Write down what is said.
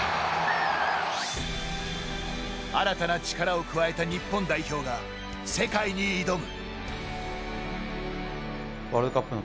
新たな力を加えた日本代表が世界に挑む。